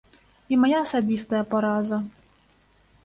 І мая асабістая параза.